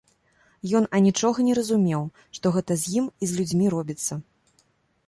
Ён анічога не разумеў, што гэта з ім і з людзьмі робіцца.